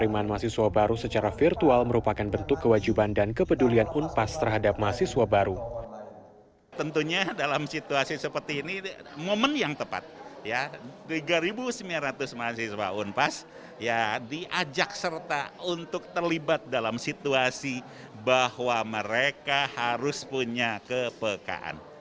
tiga sembilan ratus mahasiswa unpas diajak serta untuk terlibat dalam situasi bahwa mereka harus punya kepekaan